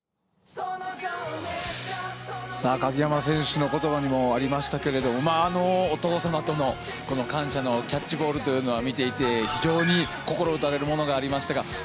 鍵山選手の言葉にもありましたがお父さまとの感謝のキャッチボールというのは見ていて非常に心を打たれるものがありましたが。